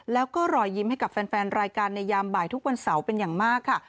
แล้วก็รอยยิ้มให้กับแฟนรายการในยามบ่ายทุกวันเสาร์เป็นอย่างมากค่ะ